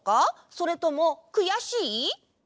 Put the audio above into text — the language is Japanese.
それともくやしい？